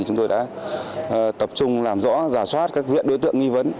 chúng tôi đã tập trung làm rõ giả soát các diện đối tượng nghi vấn